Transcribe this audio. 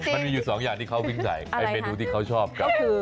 มันมีอยู่๒อย่างมีเขาวิ่งใส่อันที่เขาชอบคือ